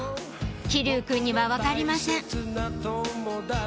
騎琉くんには分かりません